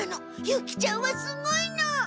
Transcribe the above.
ユキちゃんはすごいの！